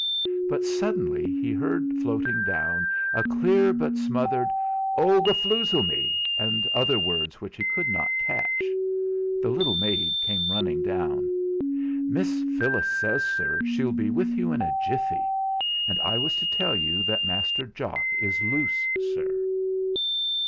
Suddenly he heard floating down a clear but smothered "Oh! Gefoozleme!" and other words which he could not catch. The little maid came running down. "Miss Phyllis says, sir, she'll be with you in a jiffy. And I was to tell you that Master Jock is loose, sir."